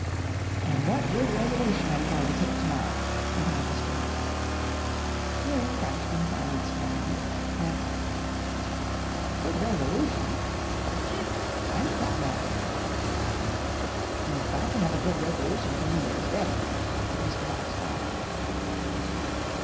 "An' what good resolution are you going to take to morrow?" went on Mr. Moss. William crunched in silence for a minute, then, "Good resolution?" he questioned. "I ain't got none." "You've got to have a good resolution for New Year's Day," said Mr. Moss firmly.